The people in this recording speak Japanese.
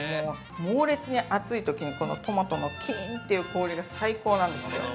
猛烈に暑いときに、トマトのキーンという氷が、最高なんですよ。